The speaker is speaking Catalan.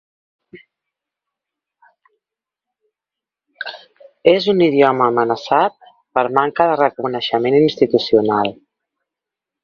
És un idioma amenaçat per manca de reconeixement institucional.